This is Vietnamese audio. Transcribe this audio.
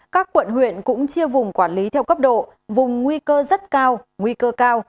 các quận huyện cũng chia vùng quản lý theo cấp độ vùng nguy cơ rất cao nguy cơ cao